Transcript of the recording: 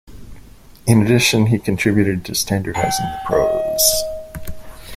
In addition, he contributed to standardizing the prose.